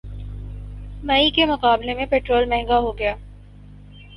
مئی کے مقابلے میں پٹرول مہنگا ہوگیا